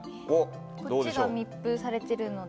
こっちが密封されてるので。